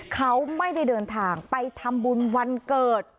เขาไม่ได้เดินทางไปทำบุญวันเกิด